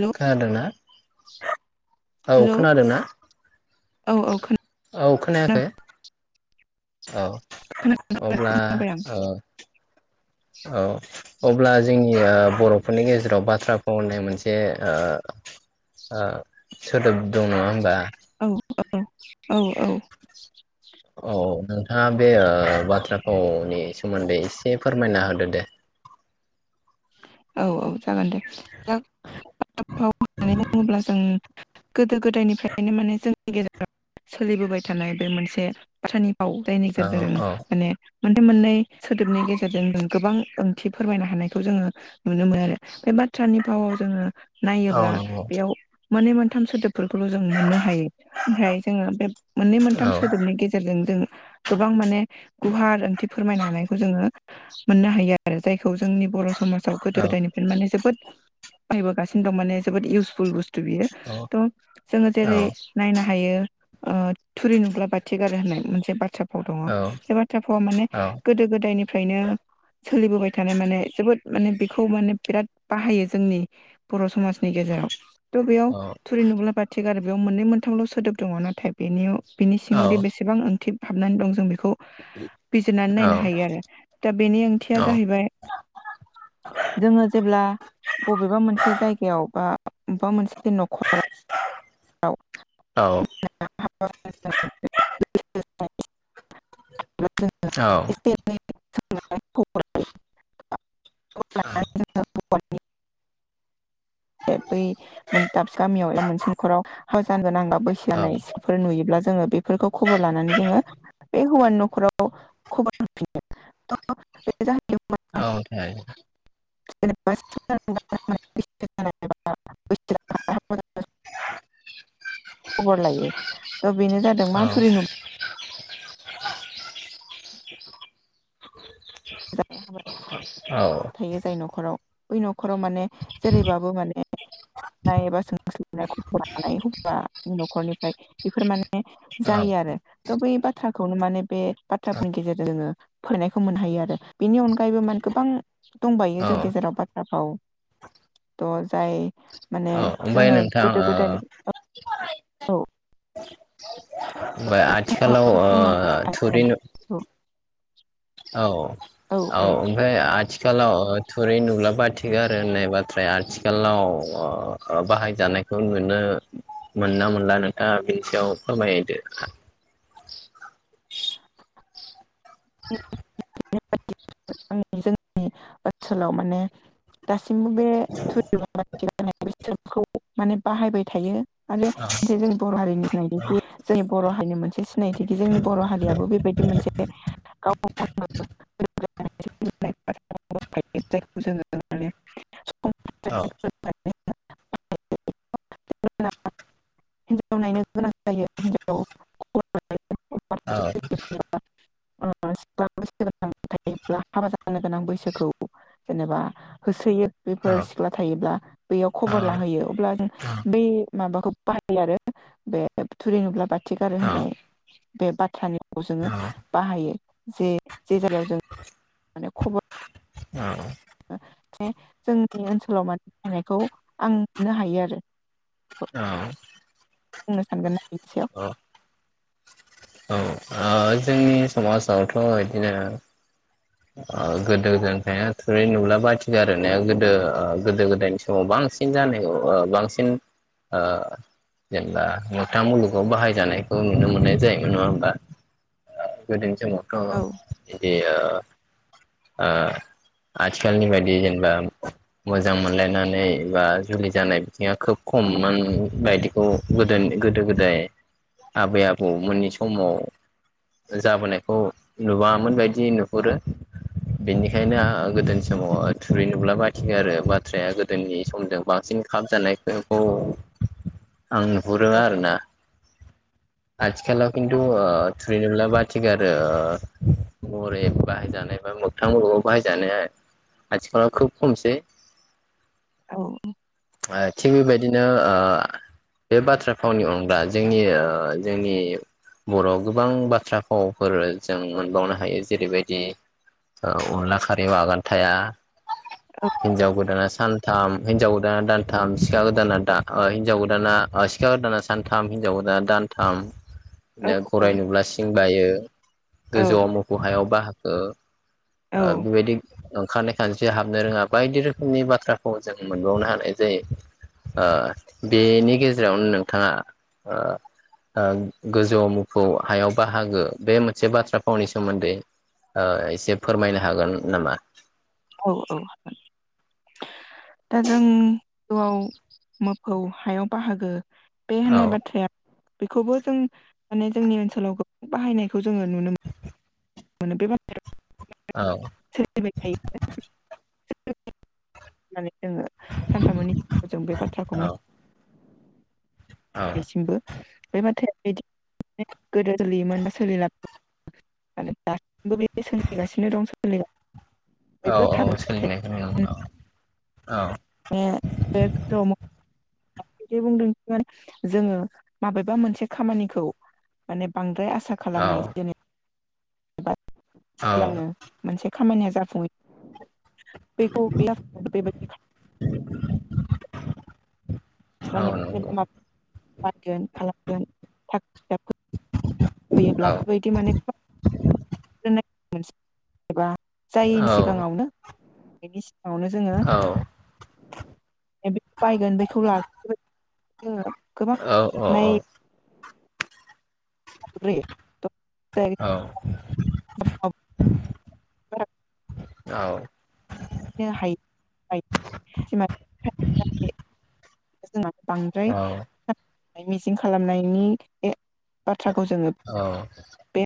Hello खोनादोंना औ hello खोनादोंना? औ औ खोन औ खोनायाखै औ अब्ला खोनाबाय आं औ औ अब्ला जों बर'फोरनि गेजेराव बाथ्रा भाव होननाय मोनसे ओ ओ सोदोब दं नङा होमबा औ औ औ औ औ नोंथाङा बे ओ बाथ्रा भावनि सोमोन्दै एसे फोरमायना होदो दे। औ औ जागोन दे [unintelligible] होननानै बुङोब्ला जों गोदो गोदायनिफ्रायनो माने जोंनि गेजेराव सोलिबोबाय थानाय बे मोनसे बाथ्रानि राव जायनि औ गेजेरजों औ माने मोनथाम मोननै सोदोबनि गेजेरजों जों गोबां ओंथि फोरमायनो हानाय खौ जोङो नुनो मोनो आरो बे बाथ्रानि भावाव जोङो औ नायोब्ला नंगौ बेयाव मोननै मोनथाम सोदोब फोरखौल' जों मोननो हायो ओमफ्राय जोङो बे मोननै मोनथाम औ सोदोबनि गेजेरजों जों गोबां माने गुहार ओंथि फोरमायनो हानायखौ जोङो मोननो हायो आरो जायखौ जोंनि बर' समाज आव गोदो औ गोदायनिफ्राय माने जोबोद बाहायबोगासिनो दं माने जोबोद इउसफु बुस्थ थु बियो थह जोङो औ जेरै- नायनो हायो ओ थुरि नुब्ला बाथि गारो होननाय मोनसे बाथ्रा फाव दङ औ बे बाथ्रा फाव माने गोदो गोदायनि फ्रायनो सोलिबोबाय थानाय माने जोबोद माने बेखौ माने बिराद बाहायो जोंनि बर' समाज गेजेराव थ बेयाव औ थुरि नुब्ला बाथि गारो। बेयाव मोननै मोनथामल सोदोब दङ नाथाय बेनियाव बिनि औ सिङावदि बेसेबां ओंथि हाबनानै दं जों बेखौ बेखौ बिजिरनानै नायनो हायो आरो दा बेनि ओंथिया जाहैबाय जोङो जेब्ला बबेबा मोनसे जायगायाव बा बबेबा मोनसे नखराव [unintelligible] औ। सोंनो बा खबर लानो [inaudible] औ। हौवानि बै दाबसे गामियाव एबा मोनसे नखराव हाबा जानो गोनां बैसो जानाय सिख्लाफोर नुयोब्ला जों बेफोरखौ खबर लानानै जोङो बै हौवानि नखराव खबर हरफिनो थ' बेनो जाहैबाय [unintelligible] [unintelligible] [unintelligible] खबर लायो। दा बेनो जादों मा थुरि नुबा [unintelligible] जाय हाबा [unintelligible] थायो जाय नखराव बै नखराव माने जेरैबाबो माने सोंनाय एबा सोंनो खबर लानाय हौवानि नखरनिफ्राय बेफोर माने औ जायो आरो थ बै बाथ्रा बाथ्राखौनो माने बे बाथ्रा फावनि गेजेरजों जोङो फोरमायनायखौ मोननो हायो आरो बेनि अनगायैबो माने गोबां दंबायो औ जों गेजेराव बाथ्रा फाव थ जाय माने औ ओमफ्राय जोङो नोंथां गोदो गोदायनि औ ओमफ्राय आथिखालाव बुंनो हागोन थुरि नामा औ नुब्ला औ। औ ओमफ्राय आथिखालाव आथिखालाव थुरै नुबलाबाय बाथिगारो होननाय बाथ्राया आथिखालाव बाहायजानायखौ नुनो मोनना मोनला नोंथाङा बिनि सायाव फोरमायदो। [unintelligible] जोंनि ओनसोलाव माने दासिम बे [unintelligible] [unintelligible] बेसोरखौ माने बाहायबाय थायो। आरो जे जोंनि बर' हारिनि सिनायथिखि जोंनि बर' हारिनि मोनसे सिनायथिखि जोंनि बर' हारियाबो बेबायदि मोनसे [unintelligible] औ। [unintelligible] [unintelligible] हिनजाव नायनो गोनां जायो हिनजाव हौवा औ [unintelligible] हाबा जानो गोनां बैसोखौ जेनेबा होसोयो औ बेफोर सिख्ला थायोब्ला बैयाव खबर औ होयो अब्ला जों बे माबाखौ बाहायो आरो बे थुरि नुब्ला बा थि गारो औ औ होननाय बे बाथ्रानि खौ जोङो बाहायो। जे जे जायगायाव जों माने खबर औ। जे जोंनि ओनसोलाव माने रायनायखौ आं मोननो हायो आरो। औ। बुंनो सानगोन [unintelligible] अ' औ ओ जोंनि समाजावथ' इदिनो ओ गोदो गोदायनिफायनो थुरै नुब्ला बाथिगारो होननाया गोदो ओ गोदो गोदायनि समाव बांसिन जानाय नुयो बांसिन ओ जेनेबा मोगथां मुलुगाव बाहायजानायखौ नुनो मोननाय जायोमोन नङा होमबा गोदोनि स औ [unintelligible] बिदि ओ ओ आथिखालनि बायदि जेनेबा मोजां मोनलायनानै बा जुलि जानाय बिथिङा खोब खम मोन बायदिखौ गोदो गोदो गोदाय आबै आबौमोननि समाव जाबोनायखौ नुबाङामोन बायदि नुहुरो। बेनिखायनो आ गोदोनि समाव थुरै नुब्ला बाथिगारो बाथ्राया गोदोनि समजों बांसिन खाब जानायखौ आं नुहुरो औ आरोना। आथिखालाव खिन्थु ओ थुरै नुब्ला बाथिगारो महरै बाहायजानाय बा मोगथां मुलुगाव बाहायजानाया आथिखालाव खोब खमसै। औ। थिक बेबायदिनो ओ बे बाथ्रा फावनि अनगा जोंनि जोंनि बर'आव गोबां बाथ्रा फावफोर जों मोनबावनो हायो जेरैबायदि अनला खारैयाव आगान थाया। औ हिनजाव गोदाना सानथाम हिनजाव ओ दानथाम सिखा गोदाना दा ओ हिनजाव गोदाना ओ सिखा गोदाना सानथाम हिनजाव गोदाना दानथाम औ बिदिनो गराय नुब्ला सिं बायो औ गोजौआव मोफौ हायाव बाहागो ओ बेबायदि। ओंखारनाय खानस्रिया हाबनो रोङा बायदि रोखोमनि बाथ्राफाव जों मोनबावनो हा नाय जायो ओ बेनि गेजेरावनो नोंथाङा ओ ओ गोजौवाव मोफौ हायाव बाहागो बे मोनसे बाथ्रा फावनि सोमोन्दै ओ एसे फोरमायनो हागोन नामा? औ औ [unintelligible] दा जों गोजौआव मोफौ हायाव बाहागो बे औ होननाय बाथ्राया बेखौबो जों माने जोंनि ओनसोलाव गोबां बाहायनायखौ जोङो नुनो मो [unintelligible] औ ‌। सोलिबाय थायो [unintelligible] जोङो सानफ्रामबोनि जों बे बाथ्राखौ औ मा औ बेसिमबो बे बाथ्राया बिदिनो [unintelligible] गोदो सोलियोमोन [unintelligible] दासिमबो बे सोलिगासिनो दं सोलिगा औ औ सोलिनायखौ नुनो मोनो औ। औ। [unintelligible] जोङो माबेबा मोनसे खामानिखौ माने बांद्राय आसा सा खालामनाय औ जेने औ सिगांनो मोनसे खामानिया जाफुङै बेखौ [unintelligible] औ माने नंगौ [unintelligible] बानगोन खालामगोन [inaudible] औ होयोब्ला बेबायदि माने [unintelligible] मोनसे एबा औ जायैनि सिगाङावनो बेनि सि आवनो जोङो औ [unintelligible] बायगोन बेखौ [unintelligible] जोङो गोबां औ औ औ। नाय [unintelligible] औ। [unintelligible] औ। नो हायो [unintelligible] [unintelligible] बांद्राय [unintelligible] मिजिं खालामनायनि बे बाथ्राखौ जोङो बे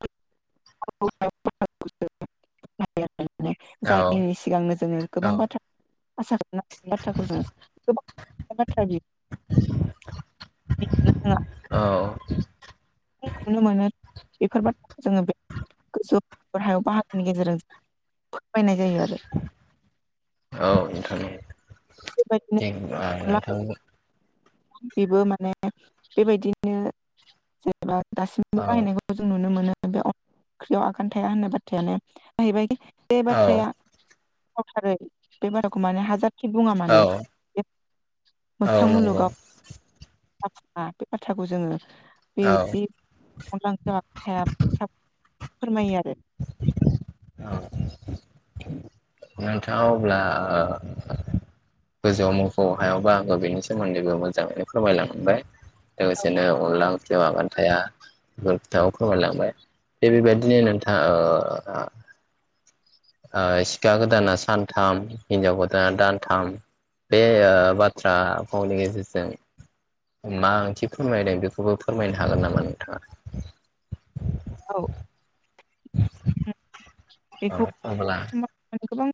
[unintelligible] औ जायनि सिगांनो जोङो गोबां बाथ्रा आसा खालामनो बाथ्राखौ जोङो गोबां [unintelligible] औ नुनो मोनो बेफोरबि जोङो बे गोसौ हायाव बाहागोनि गेजेरजों [unintelligible] जायो आरो बेबायदिनो जेनबा नोथां बेबो माने बेबायदिनो जेनेबा दासिमबो औ बाहायनायखौ जों नुनो मोनो बे [unintelligible] ओंख्रियाव आगान थाया होननाय बाथ्रायानो जाहैबाय बे औ बाथ्राया [unintelligible] बे बाराखौ माने हाजार जेखि बुङा [inaudible] औ मानो औ मोगथां नंगौ मुलुगाव बाथा बे बाथ्राखौ जोङो औ बेदि [unintelligible] फोरमाया औ नोंथाङा अब्ला गोजौआव मोफौ हायाव बाहागो बेनि सोमोन्दैबो मोजाङैनो फोरमायलां मोनबाय लोगोसेनो अनला ओंख्रियाव आगान थाया बेफोर खोथखौ फोरमायलांबाय थिग बेबायदिनो नों [unintelligible] सिखा गोदाना सानथाम हिनजाव गोदाना दानथाम बे बाथ्रा फावनि गेजेरजों मा ओंथि फोरमायदों बेखौबो फोरमायनो हागोन नामा नोंथाङा? औ औ बेखौ अब्ला [unintelligible] गोबां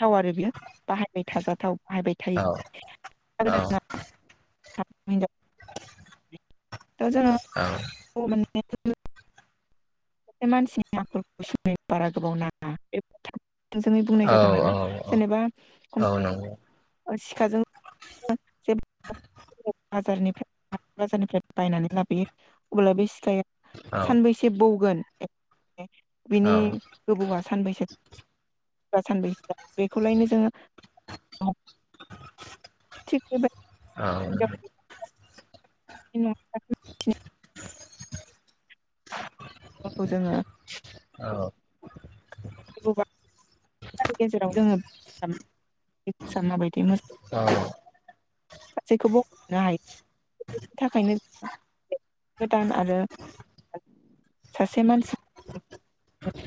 थाव आरो बियो बाहायबाय थाजाथाव बाहायबाय थायो औ औ [unintelligible] [unintelligible] [unintelligible] [unintelligible] मानसिनि आखलखौ सिनाय बारा गोबाव नाङा बे [unintelligible] थोंजोङै बुंनाय औ जादों आरो औ औ जेनेबा औ नंगौ सिखाजों जे [unintelligible] बाजारनिफ्राय बाजारनिफ्राय बायनानै लाबोयो अब्ला बे सिखाया औ सानबैसे बौगोन [unintelligible] बिनि गोबौआ सानबैसो बा सानबै बेखौलायनो जोङो थिग बेबायदिनो इनाव [inaudible] खौ जोङो औ। एगबा नि गेजेराव जोङो एसानाबाय [inaudible] गासैखौबो हनो हायो बेनि थाखायनो गोदान आरो सासे मानसि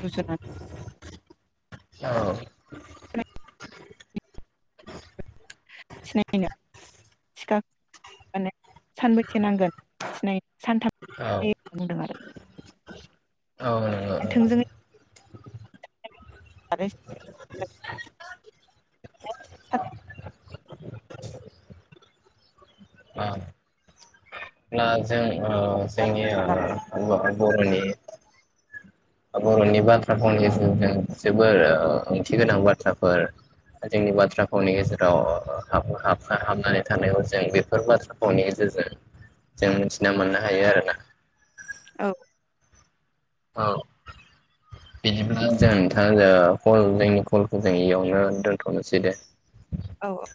रुजुनानै औ। सिनायनो थिखा सानबैसे नांगोन सिनाय सानथाम औ ज होन बुंदों आरो। औ नंगौ थोंजोङै [inaudible] ब्ला जों ओ जोंनि ओ बर'नि बर'नि बाथ्रा भावनि गेजेरजों जोबोर ओंथि गोनां बाथ्राफोर जोंनि बाथ्रा भावनि गेजेरावाब हाब हाबफा हाबनानै थानायाव जों बेफोर बाथ्रा भावनि गेजेरजों जों मिथिना मोननो हायो आरोना। औ। औ बिदिब्ला जों नोंथां जोंनि कलखौ जों इयावनो दोन्थ'नोसै दे। औ औ।